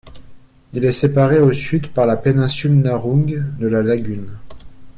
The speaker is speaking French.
Il est séparé au sud par la péninsule Narrung de la lagune.